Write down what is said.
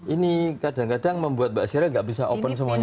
ini kadang kadang membuat mbak sire nggak bisa open semuanya